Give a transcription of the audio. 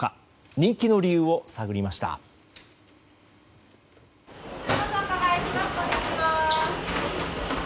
人気の理由を探りました。